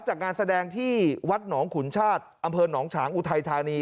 จากงานแสดงที่วัดหนองขุนชาติอำเภอหนองฉางอุทัยธานี